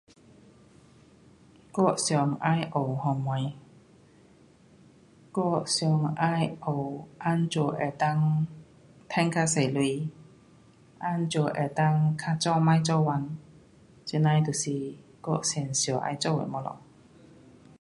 我想要学什么？我想要学，怎样能够赚较多钱。怎样能够较早甭做工，这呐的就是我最想要做的东西。